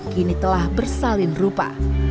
kini telah bersalin rupa